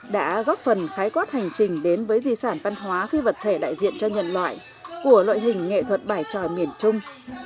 đã góp phần khái quát hành trình đến với di sản văn hóa phi vật thể đại diện cho nhân loại của loại hình nghệ thuật bài tròi miền trung